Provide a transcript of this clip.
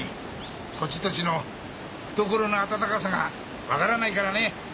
土地土地の懐の温かさがわからないからね。